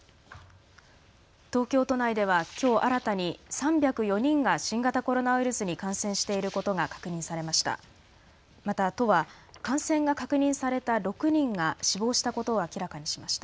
東京都内ではきょう新たに３０４人が新型コロナウイルスに感染していることが確認されました。